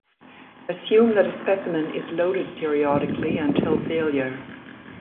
Assume that a specimen is loaded periodically until failure.